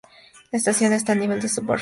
La estación está a nivel de superficie.